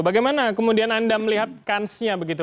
bagaimana kemudian anda melihat kansnya begitu